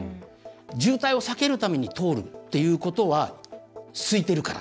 渋滞を避けるために通るということは空いてるから。